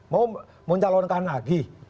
mau mencalonkan lagi